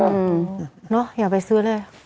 เนาะอย่าไปซื้อเลย